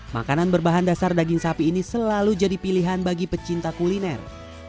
makanan berbahan dasar daging sapi ini selalu jadi pilihan bagi pecinta kuliner